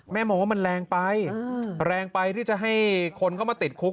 มองว่ามันแรงไปแรงไปที่จะให้คนเข้ามาติดคุก